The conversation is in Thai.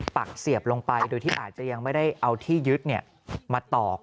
ปักเสียบลงไปโดยที่อาจจะยังไม่ได้เอาที่ยึดมาตอก